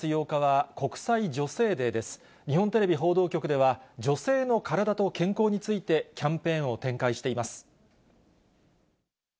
日本テレビ報道局では、女性の体と健康について、キャンペーンを展開しています。